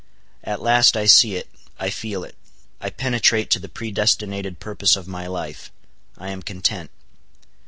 At last I see it, I feel it; I penetrate to the predestinated purpose of my life. I am content.